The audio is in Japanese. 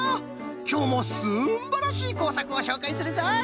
きょうもすんばらしいこうさくをしょうかいするぞい！